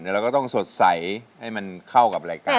เราก็ต้องสดใสให้มันเข้ากับรายการ